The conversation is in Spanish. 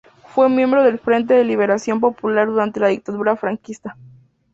Fue miembro del Frente de Liberación Popular durante la dictadura franquista.